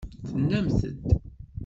Tennamt-d.